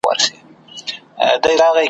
چي تر څو په دې وطن کي نوم د پیر وي ,